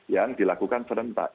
yang dilakukan serentak